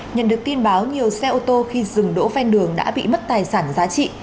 nhận được tin báo nhiều xe ô tô khi dừng đỗ ven đường đã bị mất tài sản giá trị